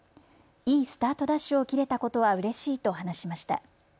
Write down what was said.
いいスタートダッシュを切れたことはうれしいと話しました。